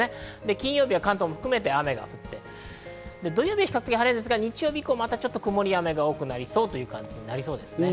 金曜日は関東を含めて雨が降って土曜日は比較的晴れるんですが、日曜日以降は曇りや雨が多くなりそうということですね。